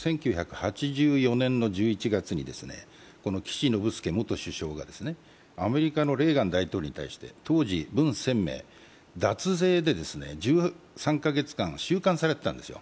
１９８４年の１１月に岸信介元首相がアメリカのレーガン大統領に対して当時、文鮮明、脱税で１３か月間収監されてたんですよ。